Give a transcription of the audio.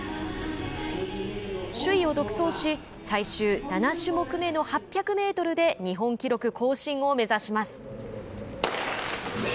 首位を独走し最終７種目めの８００メートルで日本記録更新を目指します。